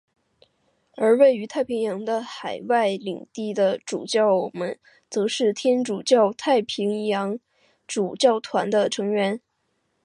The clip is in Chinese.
而位于太平洋的海外领地的主教们则是天主教太平洋主教团的成员。